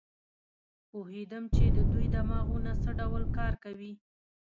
پوهېدم چې د دوی دماغونه څه ډول کار کوي.